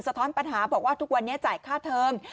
ท้อนปัญหาบอกว่าทุกวันนี้จ่ายค่าเทอม